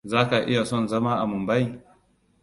Zaka iya son zama a Mumbai?